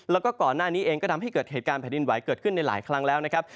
แล้วก็ก่อนหน้านี้เองก็ทำให้เกิดเหตุการณ์แผ่นดินไหวเกิดขึ้นในหลายครั้งแล้วนะครับ